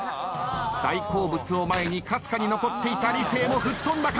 大好物を前にかすかに残っていた理性も吹っ飛んだか。